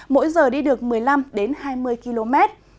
mỗi giờ đi được một mươi năm hai mươi km